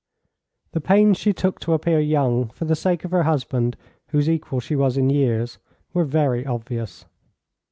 The pains she took to appear young, for the sake of her husband, whose equal she was in years, were very obvious.